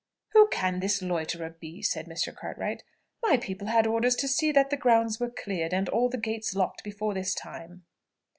"Who can this loiterer be?" said Mr. Cartwright, "My people had orders to see that the grounds were cleared, and all the gates locked before this time."